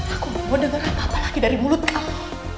aku mau denger apa apa lagi dari mulut kamu